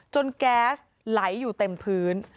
แก๊สไหลอยู่เต็มพื้น